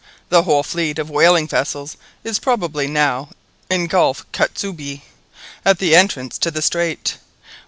The whole fleet of whaling vessels is probably now in Gulf Kotzebue, at the entrance to the strait.